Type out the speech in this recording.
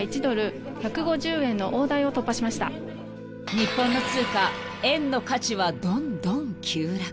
［日本の通貨円の価値はどんどん急落］